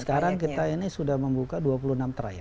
sekarang kita ini sudah membuka dua puluh enam trayek